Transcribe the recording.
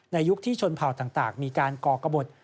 ยุคที่ชนเผ่าต่างมีการก่อกระบด